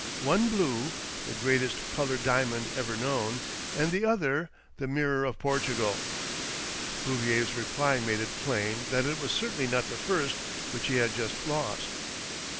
One blue, the greatest coloured diamond ever known, and the other the " Mirror of Portugal." Bouvier's reply made it plain that 126 THE DOEEINGTON DEED BOX it was certainly not the first which he had just lost.